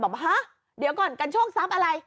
ฮะเดี๋ยวก่อนกันโชคทรัพย์อะไร